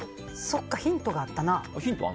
そっか、ヒントがあったな。